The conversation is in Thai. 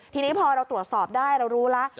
ทีนี้พอเราตรวจสอบได้เรารู้แล้ว